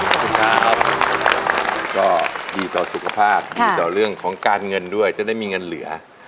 ขอบคุณครับก็ดีต่อสุขภาพดีต่อเรื่องของการเงินด้วยจะได้มีเงินเหลือ